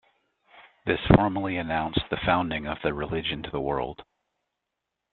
This formally announced the founding of the religion to the world.